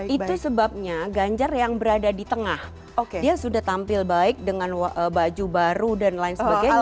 itu sebabnya ganjar yang berada di tengah dia sudah tampil baik dengan baju baru dan lain sebagainya